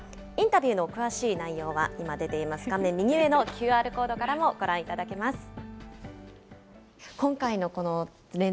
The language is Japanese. インタビューの詳しい内容は、今出ています、画面右上のＱＲコードからもご覧いただけます。